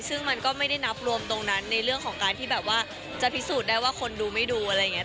ซึ่งมันก็ไม่ได้นับรวมตรงนั้นในเรื่องของการที่แบบว่าจะพิสูจน์ได้ว่าคนดูไม่ดูอะไรอย่างนี้